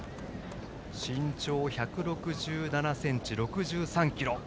身長１６７ｃｍ６３ｋｇ。